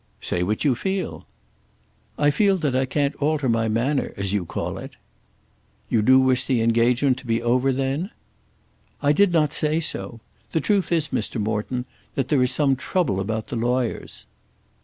"Say what you feel." "I feel that I can't alter my manner, as you call it." "You do wish the engagement to be over then?" "I did not say so. The truth is, Mr. Morton, that there is some trouble about the lawyers."